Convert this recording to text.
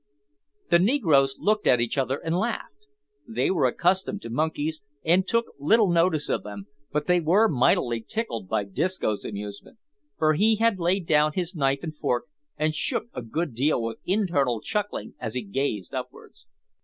The negroes looked at each other and laughed. They were accustomed to monkeys, and took little notice of them, but they were mightily tickled by Disco's amusement, for he had laid down his knife and fork, and shook a good deal with internal chuckling, as he gazed upwards.